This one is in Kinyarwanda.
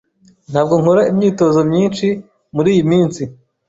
Ntabwo nkora imyitozo myinshi muriyi minsi.